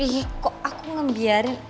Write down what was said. ih kok aku ngebiarin